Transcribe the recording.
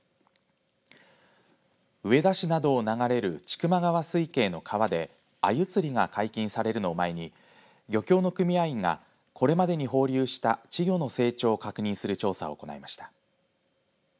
上田市などを流れる千曲川水系の川でアユ釣りが解禁されるのを前に漁協の組合員がこれまでに放流した稚魚の成長を確認する調査を行いました。